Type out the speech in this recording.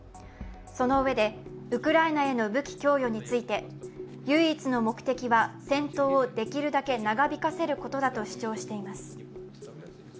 そのうえでウクライナへの武器供与について唯一の目的は戦闘をできるだけ長引かせることだと主張しています。